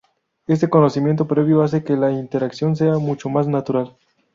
Este conocimiento previo hace que la interacción sea mucho más natural.